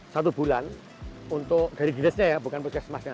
satu bulan untuk dari dinasnya ya bukan puskesmasnya